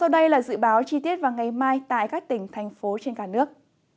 sau đây là dự báo chi tiết vào ngày mai tại các tỉnh thành phố trên cả nước